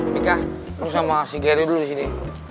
mika lo sama si gary dulu disini